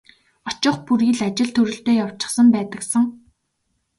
Очих бүрий л ажил төрөлтэй явчихсан байдаг сан.